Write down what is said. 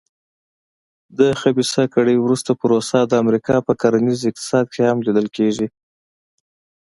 د خبیثه کړۍ ورته پروسه د امریکا په کرنیز اقتصاد کې هم لیدل کېږي.